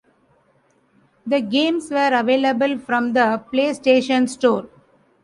The games were available from the PlayStation Store.